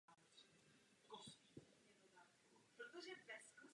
Fischer zatčení označil za součást volebního boje.